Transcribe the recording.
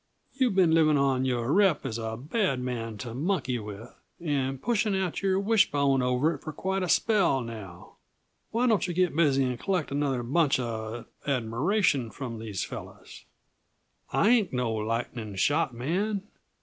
You've been living on your rep as a bad man to monkey with, and pushing out your wishbone over it for quite a spell, now why don't yuh get busy and collect another bunch uh admiration from these fellows? I ain't no lightning shot man!